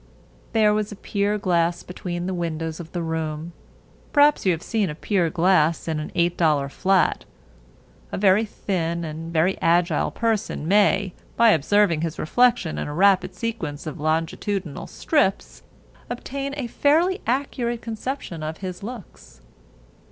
There was a pier glass between the windows of the room. Perhaps you have seen a pier glass in an $8 flat. A very thin and very agile person may, by observing his reflection in a rapid sequence of longitudinal strips, obtain a fairly accurate conception of his looks.